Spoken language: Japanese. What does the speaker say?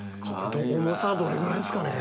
重さどれぐらいですかね？